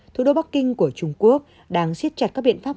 thủ đô bắc kinh của trung quốc đang siết chặt các biện pháp